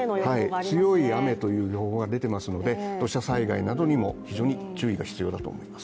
強い雨という予報が出ていますので土砂災害などにも非常に注意が必要だと思います。